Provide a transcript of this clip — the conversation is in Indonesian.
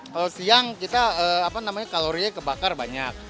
kalau siang kita kalorinya kebakar banyak